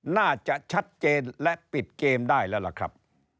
น่าจะชัดเจนและปิดเกมได้แล้วล่ะครับ